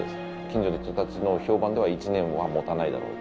近所の人たちの評判では１年は持たないだろう。